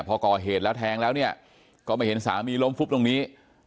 พอก่อเหตุแล้วแทงแล้วเนี่ยก็ไม่เห็นสามีล้มฟุบตรงนี้